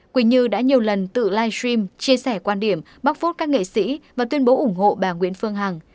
quỳnh như đã nhiều lần tự livestream chia sẻ quan điểm bác phốt các nghệ sĩ và tuyên bố ủng hộ bà nguyễn phương hằng